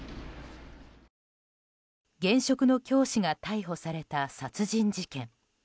現職の教師が逮捕された殺人事件。